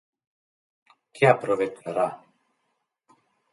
¿qué aprovechará?